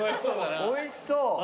おいしそうだな。